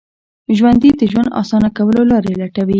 ژوندي د ژوند اسانه کولو لارې لټوي